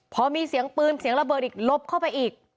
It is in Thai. พอมีเสียงปืนเสียงระเบิดอีกลบเข้าไปอีก